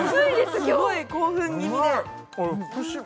すごい興奮気味でうまい！